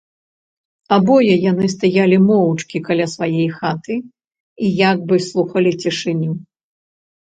Абое яны стаялі моўчкі каля свае хаты і як бы слухалі цішыню.